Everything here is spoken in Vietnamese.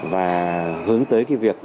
và hướng tới cái việc